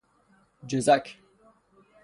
جزک